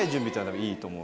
はい。